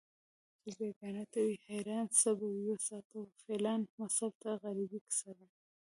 چې بیګا ته وي حیران څه به وساتي فیلان متل د غریبۍ کیسه ده